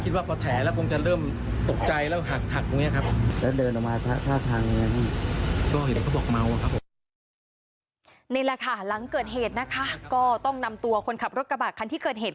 นี่แหละค่ะหลังเกิดเหตุนะคะก็ต้องนำตัวคนขับรถกระบะคันที่เกิดเหตุ